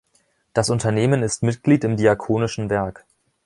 Das Unternehmen ist Mitglied im Diakonischen Werk.